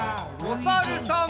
おさるさん。